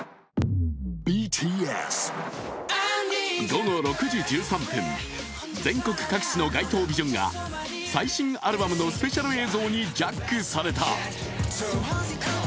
午後６時１３分、全国各地の街頭ビジョンが最新アルバムのスペシャル映像にジャックされた。